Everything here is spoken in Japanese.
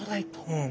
うん。